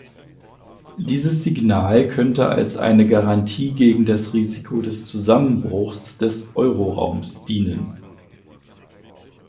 Dieses Signal könnte als eine Garantie gegen das Risiko des Zusammenbruchs des Euroraums dienen.